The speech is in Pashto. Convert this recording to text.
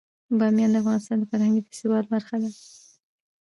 بامیان د افغانستان د فرهنګي فستیوالونو برخه ده.